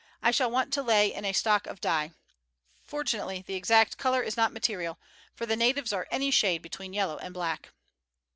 I shall want to lay in a stock of dye. Fortunately, the exact colour is not material, for the natives are any shade between yellow and black."